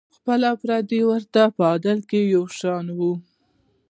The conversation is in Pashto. خپل او پردي ورته په عدل کې یو شان وو.